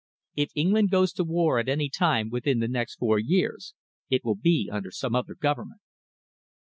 If England goes to war at any time within the next four years, it will be under some other government."